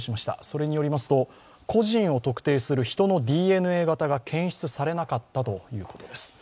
それによりますと、個人を特定するヒトのＤＮＡ型が検出されなかったということです。